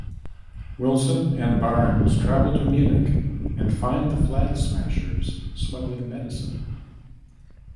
Wilson and Barnes travel to Munich and find the Flag Smashers smuggling medicine.